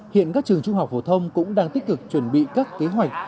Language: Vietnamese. hiện các trường trung học phổ thông cũng đang tích cực chuẩn bị các kế hoạch